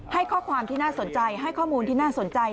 ให้ข้อความที่น่าสนใจให้ข้อมูลที่น่าสนใจ